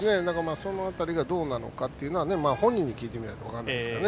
その辺りがどうなのかは本人に聞いてみないと分からないですね